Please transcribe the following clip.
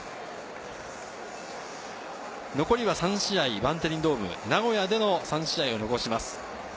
残りは３試合、バンテリンドーム、名古屋で３試合を残します。